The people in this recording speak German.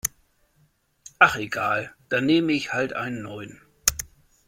Ach egal, dann nehme ich halt einen neuen.